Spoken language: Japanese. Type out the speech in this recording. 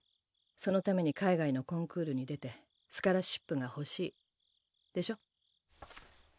そのために海外のコンクールに出てスカラシップが欲しいでしょ？